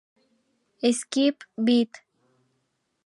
Skip Beat!